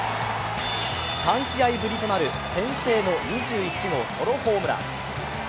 ３試合ぶりとなる先制の２１号ソロホームラン。